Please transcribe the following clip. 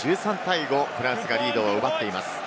現在１３対５、フランスがリードを奪っています。